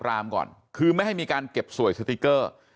รามก่อนคือไม่ให้มีการเก็บสวยสติ๊กเกอร์